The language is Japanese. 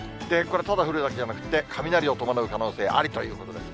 これ、ただ降るだけじゃなくて、雷を伴う可能性ありということです。